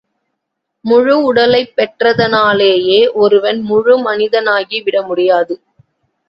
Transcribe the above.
முழு உடலைப் பெற்றதனாலேயே ஒருவன் முழு மனிதனாகிவிட முடியாது.